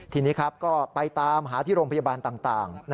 ทีนี้ครับก็ไปตามหาที่โรงพยาบาลต่าง